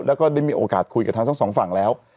แล้วก็ได้มีโอกาสคุยกับทั้งสองฝั่งแล้ว